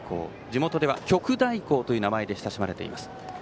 地元では旭大高という名前で親しまれています。